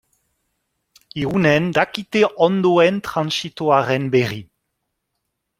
Irunen dakite ondoen trantsitoaren berri.